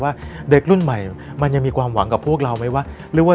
ว่าเด็กรุ่นใหม่มันยังมีความหวังกับพวกเราไหมว่าหรือว่า